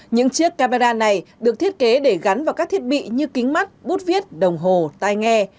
những chiếc camera này được thiết kế để gắn vào các thiết bị như kính mắt bút viết đồng hồ tai nghe